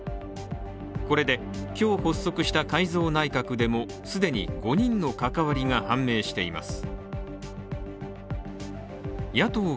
これで、今日発足した改造内閣でも既に５人の関わりが判明しています。